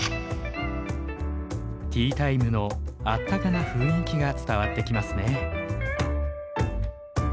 ティータイムのあったかな雰囲気が伝わってきますね。